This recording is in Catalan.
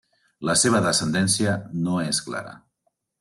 La seva descendència no és clara.